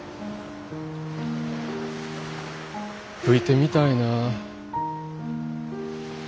吹いてみたいなあ。